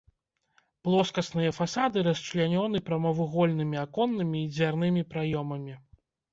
Плоскасныя фасады расчлянёны прамавугольнымі аконнымі і дзвярнымі праёмамі.